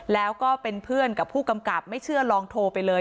แล้วก็เป็นเพื่อนกับผู้กำกับไม่เชื่อลองโทรไปเลย